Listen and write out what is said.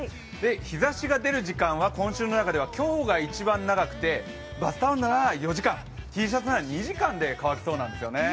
日ざしが出る時間は今週の中では今日が一番長くてバスタオルなら４時間、Ｔシャツなら２時間で乾くそうなんですよね。